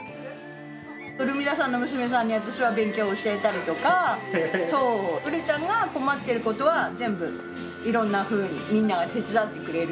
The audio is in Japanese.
ウルミラさんの娘さんに私が勉強を教えたりとか、そう、ウルちゃんが困っていることは全部、いろんなふうに、みんなが手伝ってくれる。